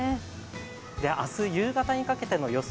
明日、夕方にかけての予想